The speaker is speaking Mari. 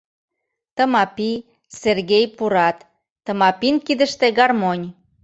Тымапи, Сергей пурат, Тымапин кидыште гармонь.